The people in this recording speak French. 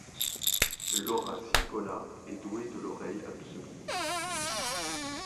Laura Sippola est douée de l'oreille absolue.